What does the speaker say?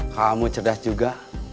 kamu cerdas juga